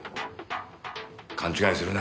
勘違いするな。